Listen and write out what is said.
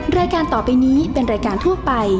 แม่บ้านประจันบรรย์